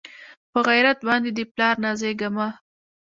پۀ غېرت باندې د پلار نازېږه مۀ